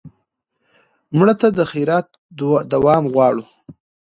مړه ته د خیرات دوام غواړو